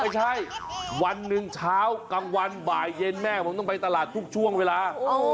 ไม่ใช่วันหนึ่งเช้ากลางวันบ่ายเย็นแม่ผมต้องไปตลาดทุกช่วงเวลา